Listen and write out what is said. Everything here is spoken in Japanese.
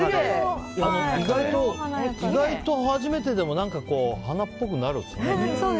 意外と初めてでも花っぽくなるんですね。